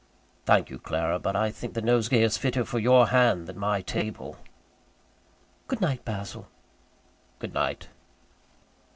"Thank you, Clara; but I think the nosegay is fitter for your hand than my table." "Good night, Basil." "Good night."